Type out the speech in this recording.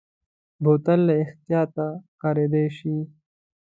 بوتل له احتیاطه کارېدلی شي.